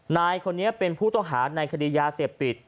นายคนนี้เป็นผู้ต้องหาในคดียาเสพติด